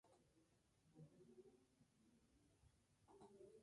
A continuación le cuenta cómo le conoció.